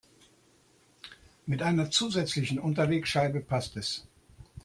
Mit einer zusätzlichen Unterlegscheibe passt es.